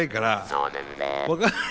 「そうですね」。